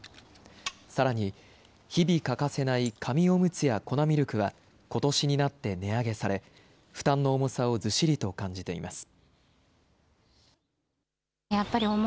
さらに、日々欠かせない紙おむつや粉ミルクは、ことしになって値上げされ、負担の重さをずしりと感じています。